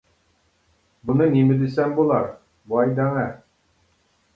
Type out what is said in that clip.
-بۇنى نېمە دېسەم بولار. -ۋاي دەڭە!